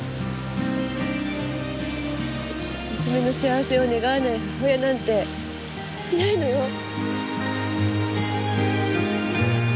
娘の幸せを願わない母親なんていないのよ。